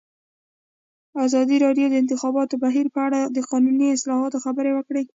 ازادي راډیو د د انتخاباتو بهیر په اړه د قانوني اصلاحاتو خبر ورکړی.